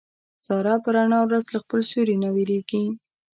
ساره په رڼا ورځ له خپل سیوري نه وېرېږي.